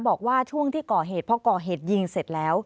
บอกว่าช่วงที่ก่อเหตุเพราะก่อเหตุยิงเสร็จแล้ว